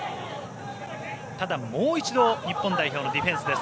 ただ、もう一度日本代表のディフェンスです。